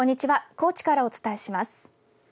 高知からお伝えします。